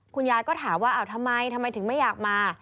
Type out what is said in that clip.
คุณยายก็ถามว่าทำไมทำไมถึงไม่อยากมา